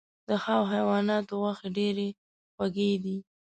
د هغو حیواناتو غوښې ډیرې خوږې دي .